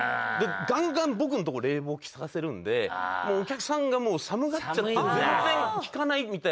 ガンガン僕の所冷房利かせるんでもうお客さんが寒がっちゃって全然聴かないみたいな。